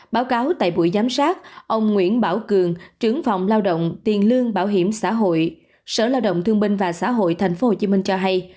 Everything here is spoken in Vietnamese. báo cáo tại buổi giám sát ông nguyễn bảo cường trưởng phòng lao động tiền lương bảo hiểm xã hội sở lao động thương binh và xã hội tp hcm cho hay